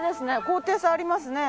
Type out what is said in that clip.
高低差ありますね。